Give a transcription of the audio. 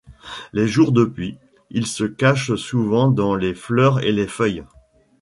Les jours de pluie, ils se cachent souvent dans les fleurs et les feuilles.